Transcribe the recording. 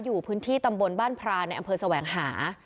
อยู่พื้นที่ตำบลบ้านพรานในอำเภอแสวงหา